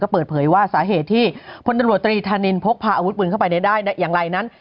เปิดเผยว่าสาเหตุที่พลตำรวจตรีธานินพกพาอาวุธปืนเข้าไปได้อย่างไรนั้น